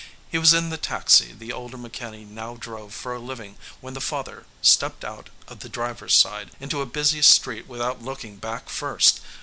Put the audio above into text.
He was in the taxi the older McKinney now drove for a living when the father stepped out of the driver's side onto a busy street without looking back first.